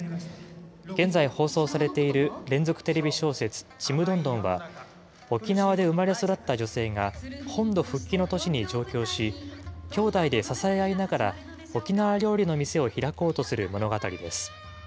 現在放送されている連続テレビ小説、ちむどんどんは、沖縄で生まれ育った女性が、本土復帰の年に上京し、きょうだいで支え合いながら、沖縄料理の店を開こうとする物語です。